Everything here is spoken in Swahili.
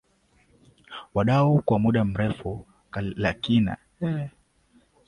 wadau kwa muda mrefu lakini kila mara Serikali inapojaribu kuupeleka Bungeni inakuwa imeshauharibu kimaudhui